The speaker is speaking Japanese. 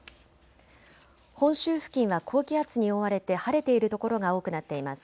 本州付近は高気圧に覆われて晴れている所が多くなっています。